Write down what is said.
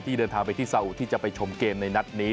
เดินทางไปที่ซาอุที่จะไปชมเกมในนัดนี้